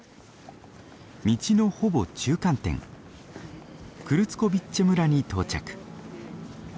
道のほぼ中間点クルツコビッチェ村に到着。